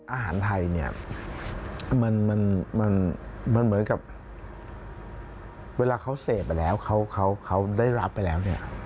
อาหารไทยเนี่ยมันเหมือนกับเวลาเขาเสพไปแล้วเขาได้รับไปแล้วเนี่ย